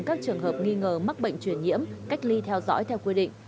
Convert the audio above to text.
các trường hợp nghi ngờ mắc bệnh chuyển nhiễm cách ly theo dõi theo quy định